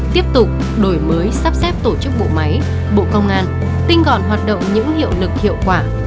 tiếp tục đổi mới sắp xếp tổ chức bộ máy bộ công an tinh gọn hoạt động những hiệu lực hiệu quả